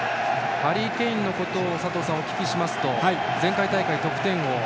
ハリー・ケインのことを佐藤さん、お聞きすると前回大会、得点王。